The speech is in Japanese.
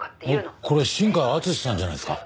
おっこれ新海敦さんじゃないですか？